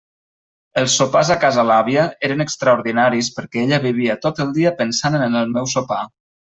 Els sopars a casa l'àvia eren extraordinaris perquè ella vivia tot el dia pensant en el meu sopar.